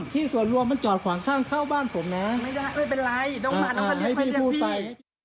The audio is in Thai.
ที่ส่วนรวมมันจอดขวางข้างเข้าบ้านผมน่ะไม่เป็นไรน้องมาน้องก็เรียกมาเรียบพี่อ่าให้พี่พูดไป